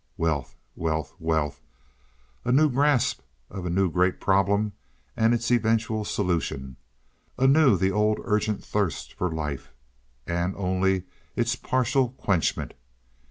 Wealth, wealth, wealth! A new grasp of a new great problem and its eventual solution. Anew the old urgent thirst for life, and only its partial quenchment.